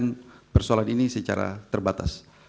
menyelesaikan persoalan ini secara terbatas